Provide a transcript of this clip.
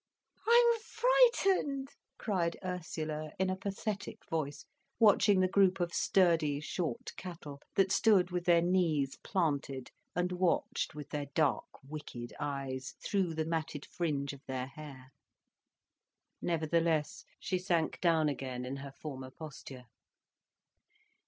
"I'm frightened," cried Ursula, in a pathetic voice, watching the group of sturdy short cattle, that stood with their knees planted, and watched with their dark, wicked eyes, through the matted fringe of their hair. Nevertheless, she sank down again, in her former posture.